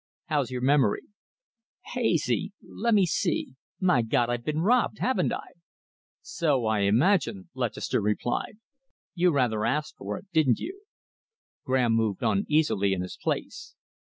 "How's your memory?" "Hazy. Let me see.... My God, I've been robbed, haven't I!" "So I imagine," Lutchester replied. "You rather asked for it, didn't you?" Graham moved uneasily in his place.